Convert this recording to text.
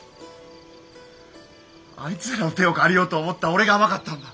あいつらの手を借りようと思った俺が甘かったんだ。